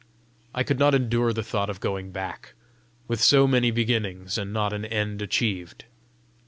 I could not endure the thought of going back, with so many beginnings and not an end achieved.